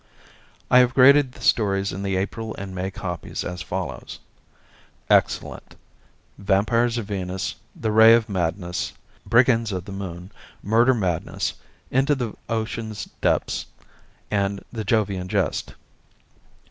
I have graded the stories in the April and May copies as follows: Excellent "Vampires of Venus," "The Ray of Madness," "Brigands of the Moon," "Murder Madness," "Into the Ocean's Depths" and "The Jovian Jest."